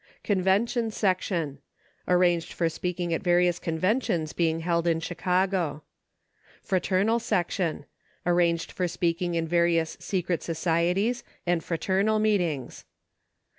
Convention Section. Arranged for speaking at various conven tions being held in Chicago. Fraternal Section. Arranged for speaking in various secret so cieties and fraternal meetings.